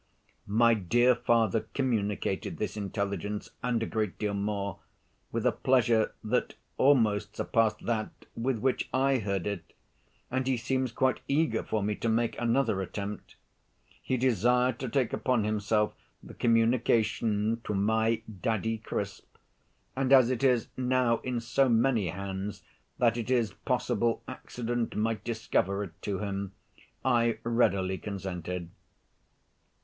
My dear father communicated this intelligence, and a great deal more, with a pleasure that almost surpassed that with which I heard it, and he seems quite eager for me to make another attempt. He desired to take upon himself the communication to my Daddy Crisp; and as it is now in so many hands that it is possible accident might discover it to him, I readily consented.